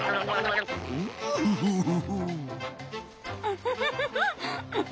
ウフフフフ。